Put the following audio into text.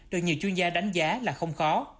được nhiều chuyên gia đánh giá là không khó